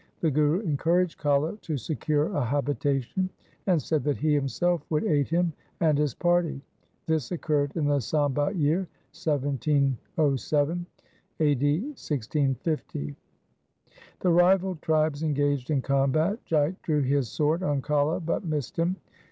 The Guru encouraged Kala to secure a habitation, and said that he himself would aid him and his party. This occurred in the Sambat year 1707, A. d. 1650. The rival tribes engaged in combat. Jait drew his sword on Kala but missed him.